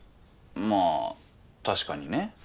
まあ確かにね。